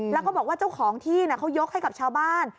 แล้วก็บอกว่าเจ้าของที่เขายกให้กับชาวบ้าน